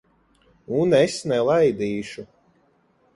Un es nelaidīšu.